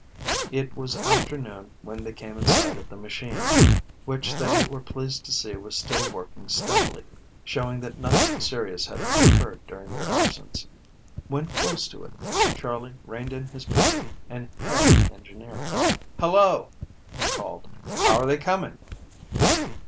It was after noon when they came in sight of the machine, which they were pleased to see was still working steadily, showing that nothing serious had occurred during their absence. When close to it, Charley reined in his pony and hailed the engineer. "Hello!" he called. "How are they coming?"